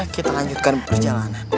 kita lanjutkan perjalanan